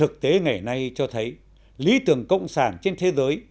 kể nay cho thấy lý tưởng cộng sản trên thế giới